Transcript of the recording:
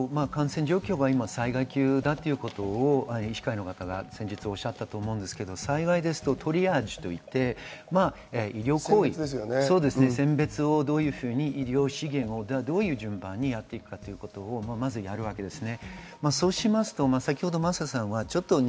感染状況が災害級ということを先日、おっしゃったと思うんですが、災害ですとトリアージと言って、選別をどういうふうにやっていくかということを、まずやるわけですね。